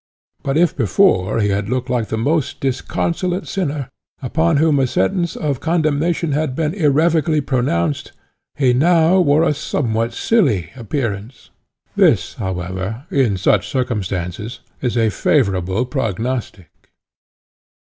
But if before he had looked like a most disconsolate sinner, upon whom a sentence of condemnation had been irrevocably pronounced, he now wore a somewhat silly appearance. This, however, in such circumstances, is a favourable prognostic.